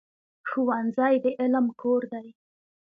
ښوونځی د علم کور دی.